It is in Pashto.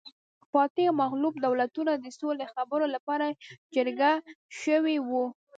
فاتح او مغلوب دولتونه د سولې خبرو لپاره جرګه شوي وو